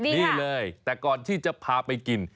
นี่เลยแต่ก่อนที่จะพาไปกิน